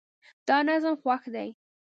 دا نظم خوښ دی